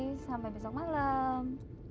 oke sampai besok malam